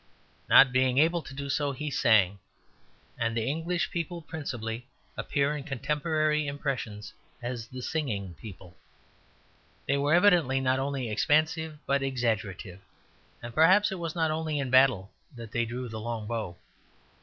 Not being able to do so, he sang; and the English people principally appear in contemporary impressions as the singing people. They were evidently not only expansive but exaggerative; and perhaps it was not only in battle that they drew the long bow.